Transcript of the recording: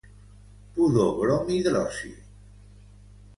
Podobromhidrosi.